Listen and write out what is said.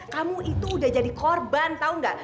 kamu itu udah jadi korban tau gak